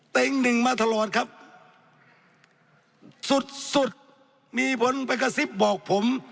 หนึ่งมาตลอดครับสุดสุดมีผลไปกระซิบบอกผม